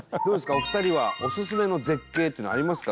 お二人はオススメの絶景っていうのはありますか？